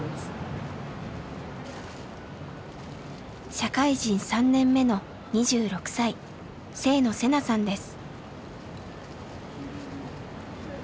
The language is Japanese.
社会人３年目の２６歳制野世菜さんです。